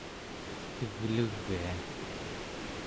teglegia